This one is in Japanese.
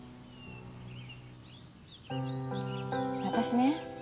私ね